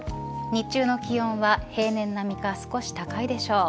日中の気温は平年並みか少し高いでしょう。